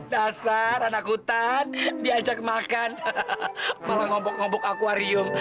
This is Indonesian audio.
dasar anak hutan diajak makan malah ngobok ngobok akwarium